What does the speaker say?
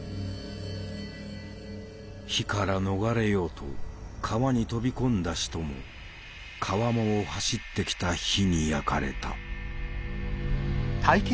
火から逃れようと川に飛び込んだ人も川面を走ってきた火に焼かれた。